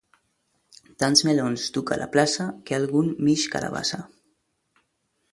Tants melons duc a la plaça, que algun m'ix carabassa.